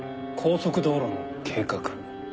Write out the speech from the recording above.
高速道路の計画？